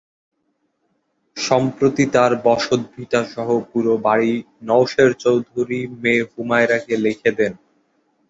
সম্প্রতি তাঁর বসতভিটাসহ পুরো বাড়ি নওশের চৌধুরী মেয়ে হুমায়রাকে লিখে দেন।